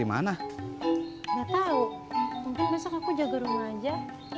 mungkin besok aku jaga rumah aja